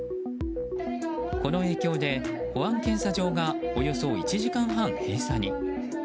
この影響で保安検査場がおよそ１時間半、閉鎖に。